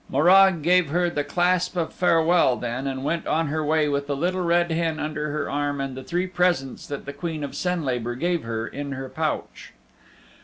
Morag gave her the clasp of farewell then, and went on her way with the Little Red Hen under her arm and the three presents that the Queen of Senlabor gave her in her pouch.